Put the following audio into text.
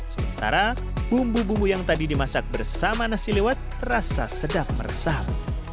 sementara bumbu bumbu yang tadi dimasak bersama nasi lewat terasa sedap meresap